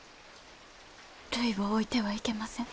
るいを置いては行けません。